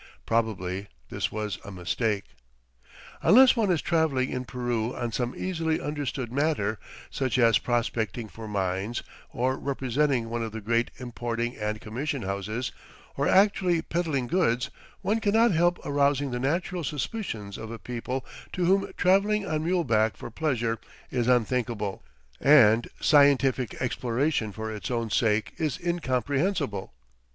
Probably this was a mistake. Unless one is traveling in Peru on some easily understood matter, such as prospecting for mines or representing one of the great importing and commission houses, or actually peddling goods, one cannot help arousing the natural suspicions of a people to whom traveling on muleback for pleasure is unthinkable, and scientific exploration for its own sake is incomprehensible.